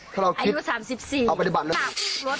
ถ้าเราคิดเอาปฏิบัติ